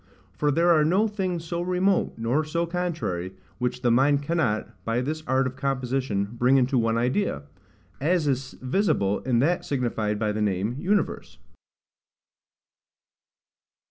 For there are no things so remote, nor so contrary, which the mind cannot, by this art of composition, bring into one idea; as is visible in that signified by the name UNIVERSE.